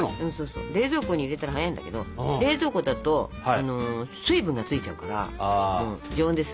冷蔵庫に入れたら早いんだけど冷蔵庫だと水分がついちゃうから常温です。